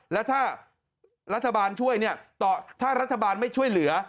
และถ้ารัฐบาลช่วยถ้ารัฐบาลไม่ช่วยเหลือ